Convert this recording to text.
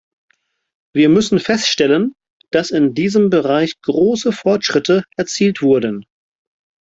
Wir müssen feststellen, dass in diesem Bereich große Fortschritte erzielt wurden.